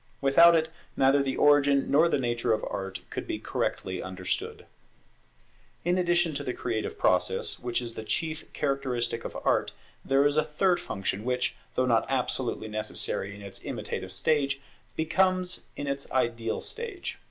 Without it neither the origin nor the nature of Art could be correctly understood. In addition to the creative process, which is the chief characteristic of Art, there is a third function which, though not absolutely necessary in its imitative stage, becomes in its ideal stage.